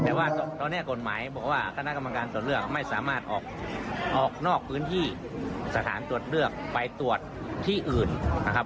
แต่ว่าตอนนี้กฎหมายบอกว่าคณะกรรมการตรวจเลือกไม่สามารถออกนอกพื้นที่สถานตรวจเลือกไปตรวจที่อื่นนะครับ